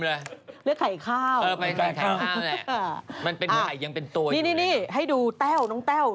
เลือกไข่ข้าว